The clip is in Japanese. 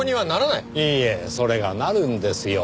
いいえそれがなるんですよ。